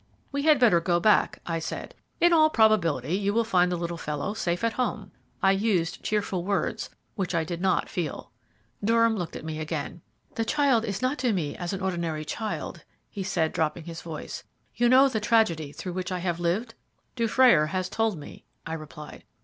"We had better go back," I said; "in all probability you will find the little fellow safe at home." I used cheerful words which I did not feel. Durham looked at me again. "The child is not to me as an ordinary child," he said, dropping his voice. "You know the tragedy through which I have lived?" "Dufrayer has told me," I replied.